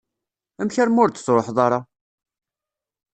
Amek armi ur d-truḥeḍ ara?